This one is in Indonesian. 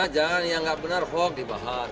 jangan yang nggak benar hoax dibahas